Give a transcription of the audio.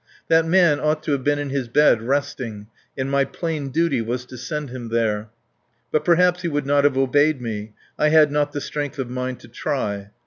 That man ought to have been in his bed, resting, and my plain duty was to send him there. But perhaps he would not have obeyed me; I had not the strength of mind to try.